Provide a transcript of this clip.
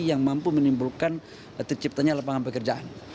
yang mampu menimbulkan terciptanya lapangan pekerjaan